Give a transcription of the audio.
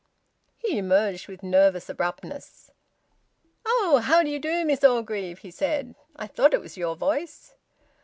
He emerged with nervous abruptness. "Oh, how d'you do, Miss Orgreave?" he said; "I thought it was your voice."